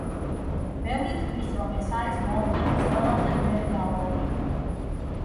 ბევრი თვლის, რომ ეს არის მომღერლის ყველაზე ბნელი ალბომი.